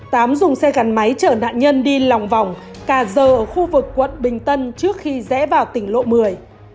tám dùng xe gắn máy chở nạn nhân đi lòng vòng cà giờ ở khu vực quận bình tân trước khi rẽ vào tỉnh lộ một mươi